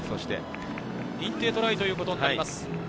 認定トライということになります。